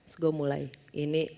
terus gue mulai ini